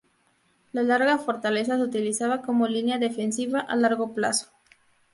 La larga fortaleza se utilizaba como línea defensiva a largo plazo.